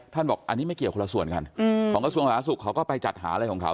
ท่านบอกอันนี้ไม่เกี่ยวคนละส่วนกันของกฏมสุขเขาก็ไปจัดหาอะไรของเขา